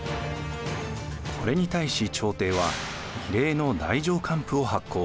これに対し朝廷は異例の太政官符を発行。